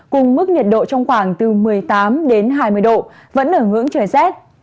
cùng mức nhiệt độ trong khoảng từ một mươi tám đến hai mươi độ vẫn ở ngưỡng trời rét